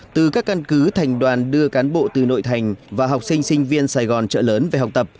từ các căn cứ thành đoàn đưa cán bộ từ nội thành và học sinh sinh viên sài gòn trợ lớn về học tập